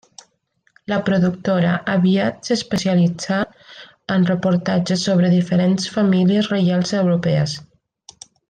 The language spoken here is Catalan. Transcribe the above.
La productora aviat s'especialitzà en reportatges sobre diferents famílies reials europees.